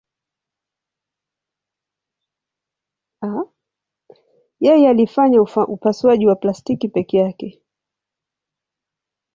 Yeye alifanya upasuaji wa plastiki peke yake.